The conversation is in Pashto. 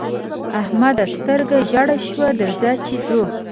احمده! سترګه ژړه شوه؛ درځه چې ځو.